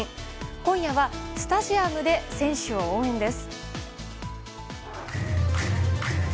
今夜はスタジアムで選手を応援です。